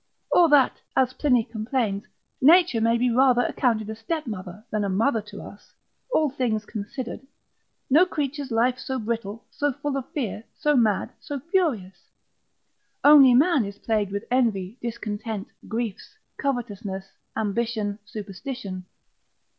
Or that, as Pliny complains, Nature may be rather accounted a stepmother, than a mother unto us, all things considered: no creature's life so brittle, so full of fear, so mad, so furious; only man is plagued with envy, discontent, griefs, covetousness, ambition, superstition.